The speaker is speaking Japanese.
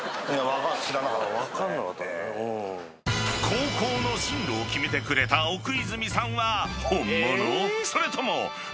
［高校の進路を決めてくれた奥泉さんは］